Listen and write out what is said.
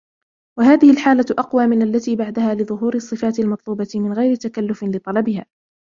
وَهَذِهِ الْحَالَةُ أَقْوَى مِنْ الَّتِي بَعْدَهَا لِظُهُورِ الصِّفَاتِ الْمَطْلُوبَةِ مِنْ غَيْرِ تَكَلُّفٍ لِطَلَبِهَا